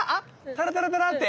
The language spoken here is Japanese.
タラタラタラって？